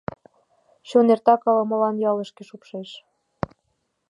Чон эртак ала-молан ялышке шупшеш.